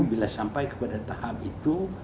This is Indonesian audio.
bila sampai kepada tahap itu